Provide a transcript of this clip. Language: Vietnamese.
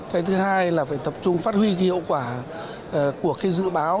cái thứ hai là phải tập trung phát huy hiệu quả của dự báo